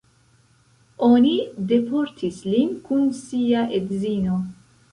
Oni deportis lin kun sia edzino.